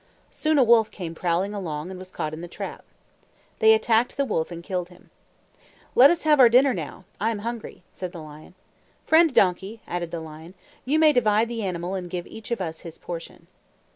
Soon a wolf came prowling along and was caught in the trap. They attacked the wolf and killed him. "Let us have our dinner now. I am hungry," said the lion. "Friend Donkey," added the lion, "you may divide the animal and give each of us his portion."